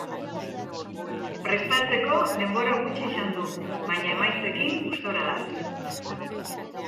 Prestatzeko denbora gutxi izan du baina emaitzekin gustora da.